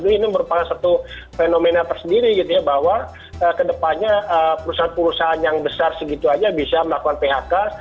ini merupakan satu fenomena tersendiri gitu ya bahwa kedepannya perusahaan perusahaan yang besar segitu aja bisa melakukan phk